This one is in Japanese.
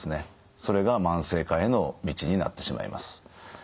それが慢性化への道になってしまいます。